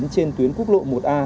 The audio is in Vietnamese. trên tuyến quốc lộ một a